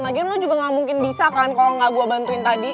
nah gini lu juga gak mungkin bisa kan kalau gak gua bantuin tadi